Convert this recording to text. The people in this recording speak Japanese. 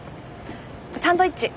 サンドイッチ。